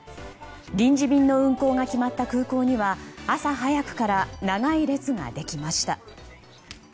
臨時便の運航が決まった空港には朝早くから長い列ができました。